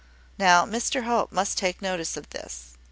Now, Mr Hope must take notice of this.